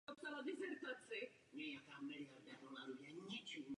Zároveň si tak měl pomoct ve své snaze o rehabilitaci.